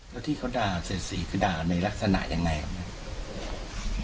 แล้วที่เขาด่าเสียสีคือด่าในลักษณะยังไงครับ